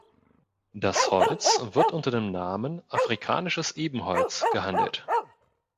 Das Holz wird unter dem Namen „Afrikanisches Ebenholz“ gehandelt.